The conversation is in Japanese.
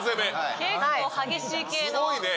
結構激しい系の。